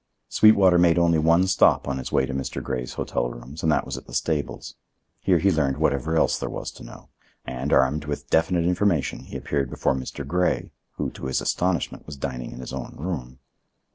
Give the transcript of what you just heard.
Sweetwater made only one stop on his way to Mr. Grey's hotel rooms, and that was at the stables. Here he learned whatever else there was to know, and, armed with definite information, he appeared before Mr. Grey, who, to his astonishment, was dining in his own room.